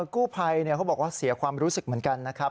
กู้ภัยเขาบอกว่าเสียความรู้สึกเหมือนกันนะครับ